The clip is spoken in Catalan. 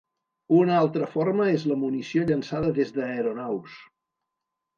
Una altra forma és la munició llançada des d'aeronaus.